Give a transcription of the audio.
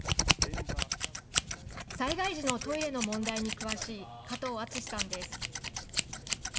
災害時のトイレの問題に詳しい加藤篤さんです。